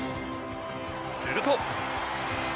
すると。